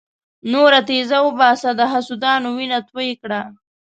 توره تېزه وباسه د حسودانو وینه توی کړه.